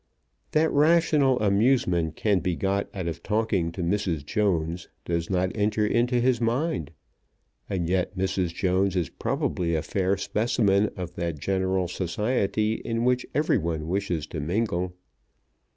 That rational amusement can be got out of talking to Mrs. Jones does not enter into his mind. And yet Mrs. Jones is probably a fair specimen of that general society in which every one wishes to mingle.